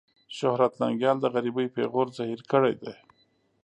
شهرت ننګيال د غريبۍ پېغور زهير کړی دی.